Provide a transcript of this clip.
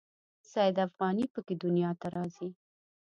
سید افغاني په کې دنیا ته راځي.